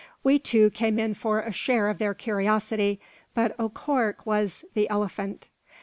We, too, came in for a share of their curiosity; but O'Cork was "the elephant."